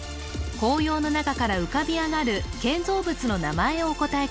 紅葉の中から浮かび上がる建造物の名前をお答え